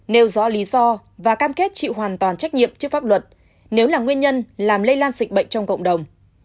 nếu do lý do và cam kết chịu hoàn toàn trách nhiệm trước pháp luật nếu là nguyên nhân làm lây lan sịch bệnh trong cộng đồng